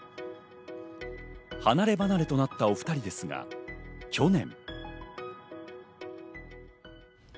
離れ離れとなったお２人ですが、去年。